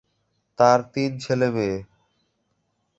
তাঁর তিন ছেলেমেয়ে।